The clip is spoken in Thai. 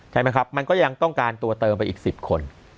ใช่ไหมครับมันก็ยังต้องการตัวเติมไปอีก๑๐คน